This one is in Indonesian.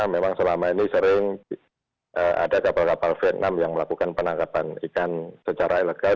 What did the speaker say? memang selama ini sering ada kapal kapal vietnam yang melakukan penangkapan ikan secara ilegal